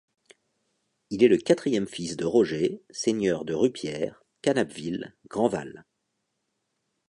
Il est le quatrième fils de Roger, seigneur de Rupierre, Canapville, Grandval...